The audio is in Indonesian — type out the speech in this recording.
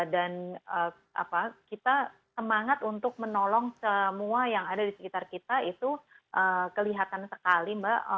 dan kita semangat untuk menolong semua yang ada di sekitar kita itu kelihatan sekali mbak